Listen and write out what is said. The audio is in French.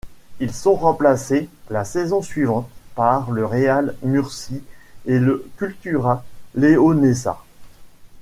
Ils sont remplacés la saison suivante par le Real Murcie et le Cultural Leonesa.